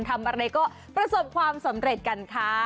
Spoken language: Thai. ทำเอาอะไรก็เพราะสมความสำเร็จกัน